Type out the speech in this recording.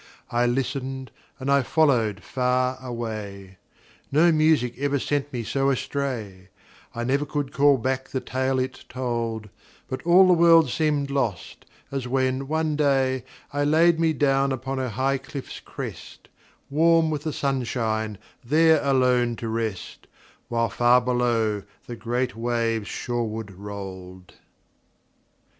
I listened, and I followed far away No music ever sent me so astray, I never could call back the tale it told, But all the world seemed lost, as when, one day, I laid me down upon a high cliff's crest, Warm with the sunshine, there alone to rest, While far below the great waves shoreward rolled.